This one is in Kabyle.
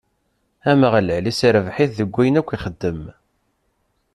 Ameɣlal isserbeḥ-it deg wayen akk ixeddem.